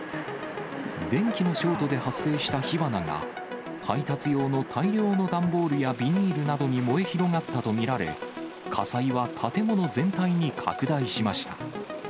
電気のショートで発生した火花が、配達用の大量の段ボールやビニールなどに燃え広がったと見られ、火災は建物全体に拡大しました。